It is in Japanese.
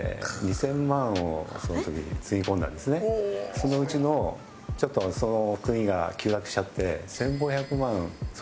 そのうちのちょっとその急落しちゃって。